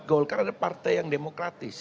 golkar adalah partai yang demokratis